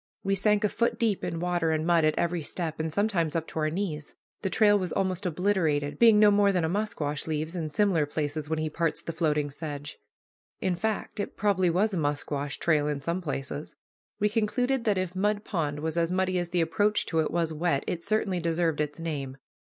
We sank a foot deep in water and mud at every step, and sometimes up to our knees. The trail was almost obliterated, being no more than a musquash leaves in similar places when he parts the floating sedge. In fact, it probably was a musquash trail in some places. We concluded that if Mud Pond was as muddy as the approach to it was wet, it certainly deserved its name.